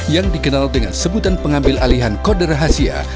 yang dikenal dengan sebutan pengambil alihan kode rahasia